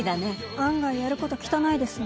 案外やること汚いですね。